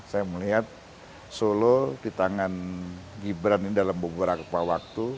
saya melihat solo di tangan gibran ini dalam beberapa waktu